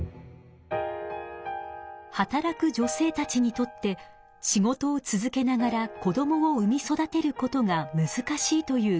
働く女性たちにとって仕事を続けながら子どもを産み育てることがむずかしいという現実があります。